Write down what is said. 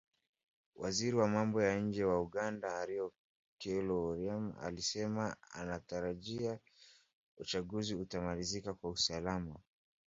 Waziri wa Mambo ya Nje wa Uganda HenryOKello Oryem alisema anatarajia uchaguzi utamalizika kwa Usalama.